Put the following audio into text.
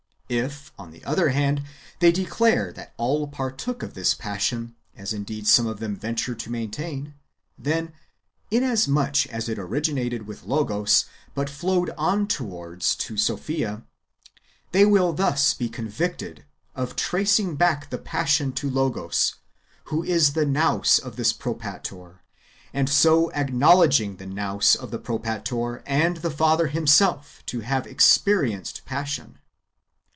If, on the other hand, they declare that all partook of this passion, as indeed some of them venture to maintain, then, inasmuch as it orimnated with Lo2;os,^ but flowed onwards to 1 1 Cor. XV. 41. Comp. i. 2, 2. 176 IRENJEUS AGAINST HERESIES. [Book ii. Sopliia, they will thus be convicted of tracing back the passion to Logos, who is the^ Nous of this Propator, and so acknowledging the Nous of the Propator and the Father Himself to have experienced passion.